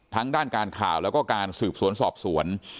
ด้านการข่าวแล้วก็การสืบสวนสอบสวน